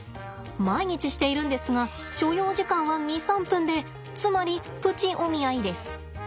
毎日しているんですが所要時間は２３分でつまりプチお見合いです。